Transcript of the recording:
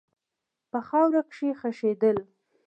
په خاوره کښې خښېدل